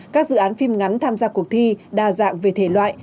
các dự án phim ngắn tham gia cuộc thi đa dạng về thể loại